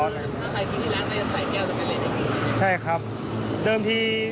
ที่ร้านใส่แก้วใช่ครับเดิมที